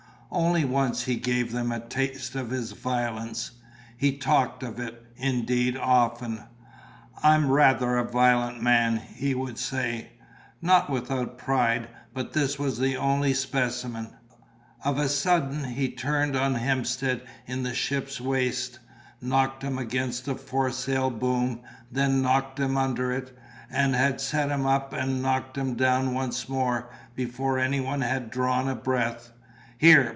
Only once he gave them a taste of his violence; he talked of it, indeed, often; "I'm rather a voilent man," he would say, not without pride; but this was the only specimen. Of a sudden, he turned on Hemstead in the ship's waist, knocked him against the foresail boom, then knocked him under it, and had set him up and knocked him down once more, before any one had drawn a breath. "Here!